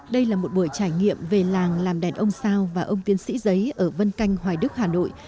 đây là một buổi trải nghiệm về làng làm đèn ông sao và ông tiến sĩ giấy ở vân canh hoài đức hà nội